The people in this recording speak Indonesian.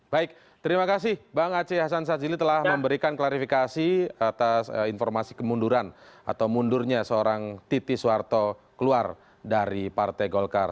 baik terima kasih bang aceh hasan sajili telah memberikan klarifikasi atas informasi kemunduran atau mundurnya seorang titi soeharto keluar dari partai golkar